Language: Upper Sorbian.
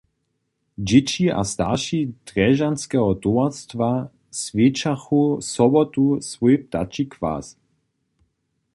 Dźěći a starši Drježdźanskeho towarstwa swjećachu sobotu swój ptači kwas.